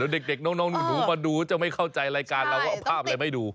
เดี๋ยวเด็กน้องหนูมาดูจะไม่เข้าใจรายการเราว่าภาพอะไรไม่ดู